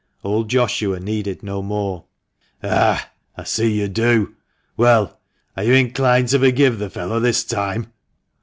Old Joshua needed no more. " Ah, I see you do ! Well, are you inclined to forgive the fellow this time